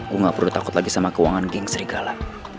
gua ga perlu takut lagi sama keuangan geng serigala